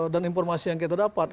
dan informasi yang kita dapat